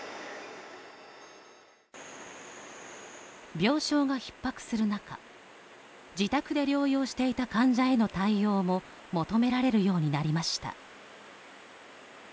病床がひっ迫する中自宅で療養していた患者への対応も求められるようになりました。